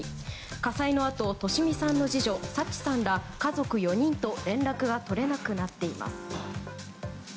火災のあと、利美さんの次女抄知さんら家族４人と連絡が取れなくなっています。